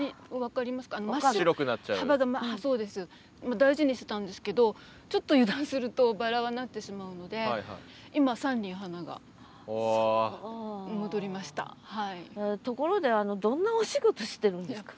大事にしてたんですけどちょっと油断するとバラはなってしまうので今ところでどんなお仕事してるんですか？